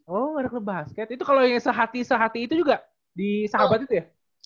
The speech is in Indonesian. oh anaknya basket itu kalau yang sehati sehati itu juga di sahabat itu ya